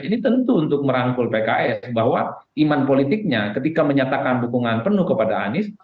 ini tentu untuk merangkul pks bahwa iman politiknya ketika menyatakan dukungan penuh kepada anies